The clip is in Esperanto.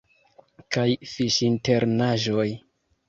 Kaj fiŝinternaĵoj!